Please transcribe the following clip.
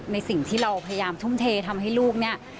ในสิ่งที่เราพยายามทุ่มเททำให้ลูกเนี่ย